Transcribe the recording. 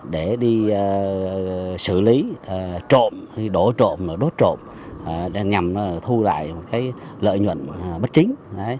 để đi xử lý trộm đổ trộm đốt trộm nhằm thu lại một lợi nhuận bất chính